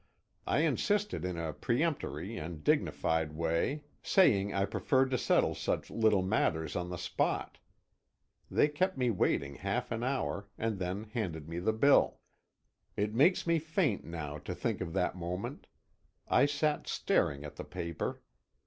I insisted in a peremptory and dignified way saying I preferred to settle such little matters on the spot. They kept me waiting half an hour, and then handed me the bill. It makes me faint now to think of that moment. I sat staring at the paper.